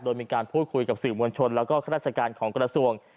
โดยมีการพูดคุยกับสื่อมวลชนแล้วก็ข้าราชการของกระทรวง